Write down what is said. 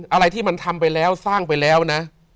อะไรที่มันทำไปแล้วสร้างไปแล้วนะ